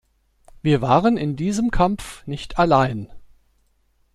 Wir waren in diesem Kampf nicht allein.